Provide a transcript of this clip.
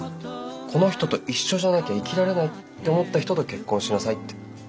この人と一緒じゃなきゃ生きられないって思った人と結婚しなさい」って。